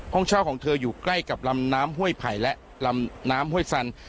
ห้องเช่าของเธออยู่ใกล้กับลำน้ำห้วยไผ่และลำน้ำห้วยสัน